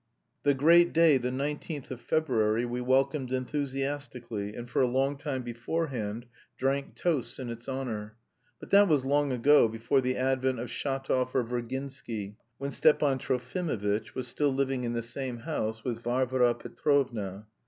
The great day, the nineteenth of February, we welcomed enthusiastically, and for a long time beforehand drank toasts in its honour. But that was long ago, before the advent of Shatov or Virginsky, when Stepan Trofimovitch was still living in the same house with Varvara Petrovna.